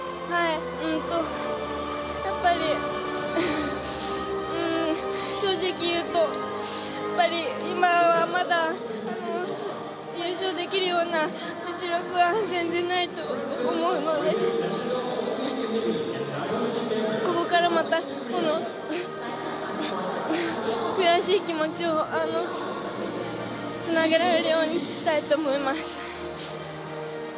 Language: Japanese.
やっぱり、正直言うと今はまだ優勝できるような実力は全然ないと思うのでここからまたこの悔しい気持ちをつなげられるようにしたいと思います。